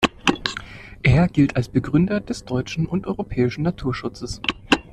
Er gilt als Begründer des deutschen und europäischen Naturschutzes.